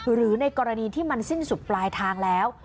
หรือในกรณีที่มันสิ้นสุดปลายทางแล้ว